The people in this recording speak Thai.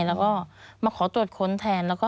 มันจอดอย่างง่ายอย่างง่าย